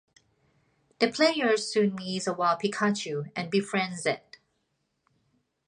The player soon meets a wild Pikachu and befriends it.